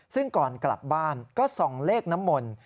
ซึ่งก่อนกลับบ้านก็ส่องเลขน้ำมนต์